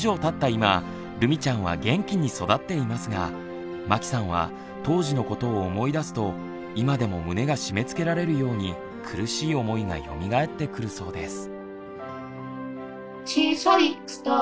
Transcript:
今るみちゃんは元気に育っていますがまきさんは当時のことを思い出すと今でも胸が締めつけられるように苦しい思いがよみがえってくるそうです。